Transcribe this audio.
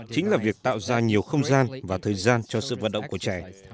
chính là việc tạo ra nhiều không gian và thời gian cho sự vận động của trẻ